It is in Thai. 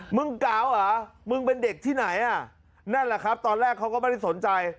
กาวเหรอมึงเป็นเด็กที่ไหนอ่ะนั่นแหละครับตอนแรกเขาก็ไม่ได้สนใจ